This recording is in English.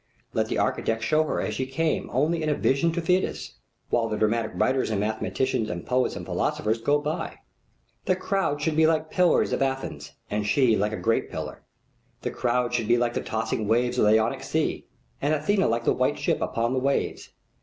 Let the architect show her as she came only in a vision to Phidias, while the dramatic writers and mathematicians and poets and philosophers go by. The crowds should be like pillars of Athens, and she like a great pillar. The crowds should be like the tossing waves of the Ionic Sea and Athena like the white ship upon the waves.